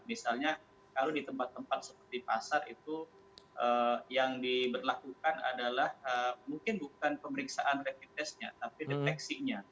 misalnya kalau di tempat tempat seperti pasar itu yang diberlakukan adalah mungkin bukan pemeriksaan rapid testnya tapi deteksinya